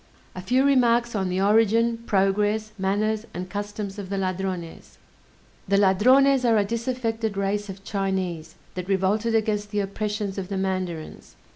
A few Remarks on the Origin, Progress, Manners, and Customs of the Ladrones The Ladrones are a disaffected race of Chinese, that revolted against the oppressions of the mandarins.